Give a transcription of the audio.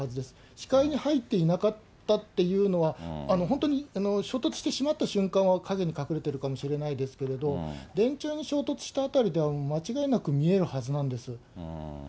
視界に入っていなかったというのは、本当に衝突してしまった瞬間は陰に隠れてるかもしれないですけど、電柱に衝突した辺りでは、間違いなく見えるはずなんです。